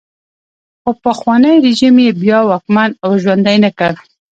خو پخوانی رژیم یې بیا واکمن او ژوندی نه کړ.